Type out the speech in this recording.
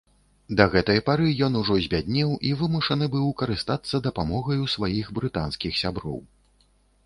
Да гэтай пары ён ужо збяднеў і вымушаны быў карыстацца дапамогаю сваіх брытанскіх сяброў.